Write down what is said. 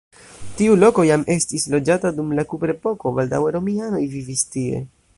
Tiu loko jam estis loĝata dum la kuprepoko, baldaŭe romianoj vivis tie.